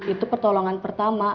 itu pertolongan pertama